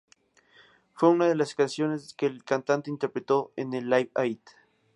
Fue una de las canciones que el cantante interpretó en el Live Aid.